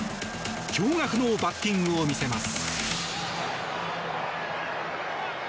驚がくのバッティングを見せます。